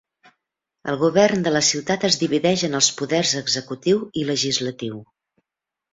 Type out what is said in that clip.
El govern de la ciutat es divideix en els poders executiu i legislatiu.